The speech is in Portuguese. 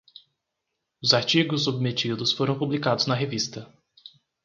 Os artigos submetidos foram publicados na revista